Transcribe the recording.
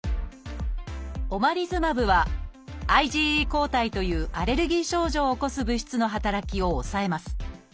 「オマリズマブ」はＩｇＥ抗体というアレルギー症状を起こす物質の働きを抑えます。